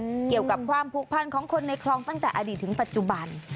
เกี่ยวกับความผูกพันของคนในคลองตั้งแต่อดีตถึงปัจจุบัน